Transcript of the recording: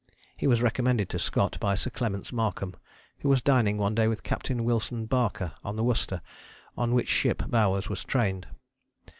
He was recommended to Scott by Sir Clements Markham, who was dining one day with Captain Wilson Barker on the Worcester, on which ship Bowers was trained.